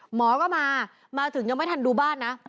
หมอก็มามาถึงยังไม่ทันดูบ้านนะ